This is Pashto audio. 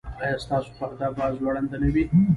ایا ستاسو پرده به ځوړنده نه وي؟